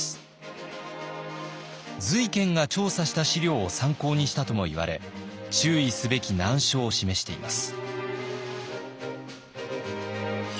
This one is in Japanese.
瑞賢が調査した資料を参考にしたともいわれ注意すべき難所を示しています。